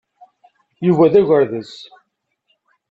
Yuba d agerdes.